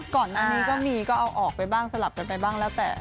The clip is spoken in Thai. ก่อนหน้านี้ก็มีก็เอาออกไปบ้างสลับกันไปบ้างแล้วแต่